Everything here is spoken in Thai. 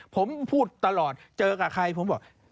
ผมพูดตลอดเจอกับใครผมบอก